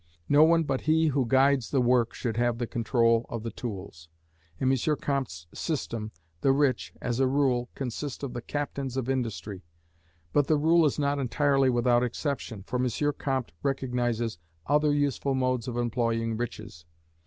No one but he who guides the work, should have the control of the tools. In M. Comte's system, the rich, as a rule, consist of the "captains of industry:" but the rule is not entirely without exception, for M. Comte recognizes other useful modes of employing riches.